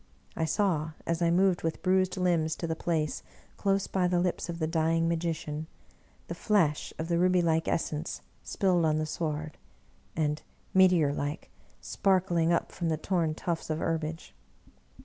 I saw, as I moved with bruised limbs to the place, close by the lips of the dying magician, the flash of the rubylike essence spilled on the sward, and, meteor like, sparkling up from the torn tuftSs of herbage.